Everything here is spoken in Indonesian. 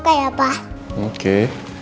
tidak ada yang bisa ditutup